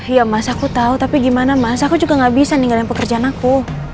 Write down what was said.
iya mas aku tahu tapi gimana mas aku juga gak bisa ninggalin pekerjaan aku